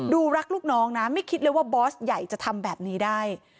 รักลูกน้องนะไม่คิดเลยว่าบอสใหญ่จะทำแบบนี้ได้